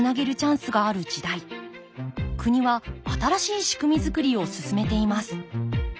国は新しい仕組み作りを進めています。